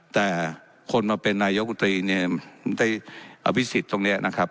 แต่คนมาเป็นนายกุตรีเนี่ยได้อภิษฎตรงนี้นะครับ